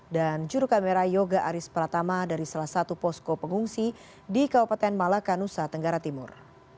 juru kamera yoga aris pratama dari salah satu posko pengungsi di kabupaten malaka nusa tenggara timur